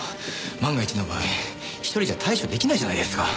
万が一の場合１人じゃ対処出来ないじゃないですか。